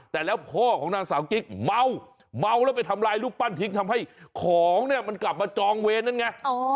แต่แล้วพ่อของนางสาวกิ๊กเมาเมาแล้วไปทำลายรูปปั้นทิ้งทำให้ของเนี่ยมันกลับมาจองเวรนั่นไง